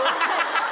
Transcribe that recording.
ハハハ！